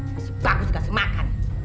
masih bagus gak sih makan